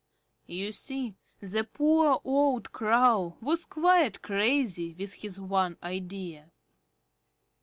You see the poor old Crow was quite crazy with his one idea.